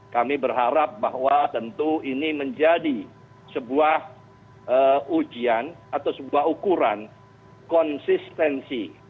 kami berharap bahwa tentu ini menjadi sebuah ujian atau sebuah ukuran konsistensi